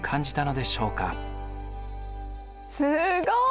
すごい！